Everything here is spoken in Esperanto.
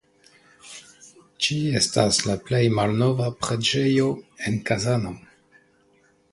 Ĝi estas la plej malnova preĝejo en Kazano.